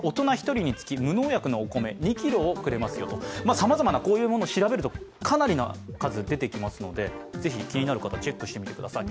さまざまなこういうものを調べるとかなりな数出てきますのでぜひ気になる方、チェックしてみてください。